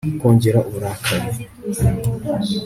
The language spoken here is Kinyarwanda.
kongera uburakari